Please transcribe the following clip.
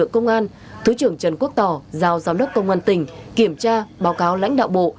công an tỉnh kiểm tra báo cáo lãnh đạo bộ